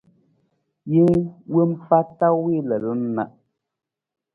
Jee wompa ta wii lalan na.